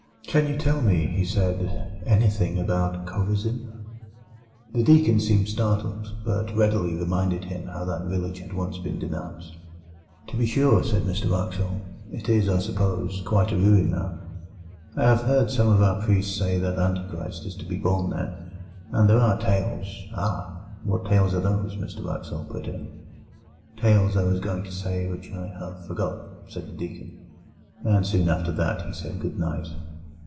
"Can you tell me," he said, "anything about Chorazin?" The deacon seemed startled, but readily reminded him how that village had once been denounced. "To be sure," said Mr Wraxall; "it is, I suppose, quite a ruin now?" "So I expect," replied the deacon. "I have heard some of our old priests say that Antichrist is to be born there; and there are tales—" "Ah! what tales are those?" Mr Wraxall put in. "Tales, I was going to say, which I have forgotten," said the deacon; and soon after that he said good night.